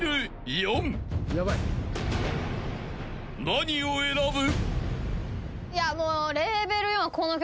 ［何を選ぶ？］